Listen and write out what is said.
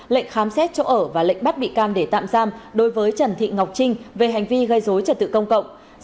lệnh khám xét chỗ ở và lệnh bắt bị can để tạm giam đối với trần thị ngọc trinh về hành vi gây dối trật tự công cộng